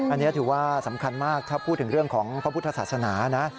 อันนี้ถือว่าสำคัญมากถ้าพูดถึงเรื่องของพระพุทธศาสนานะ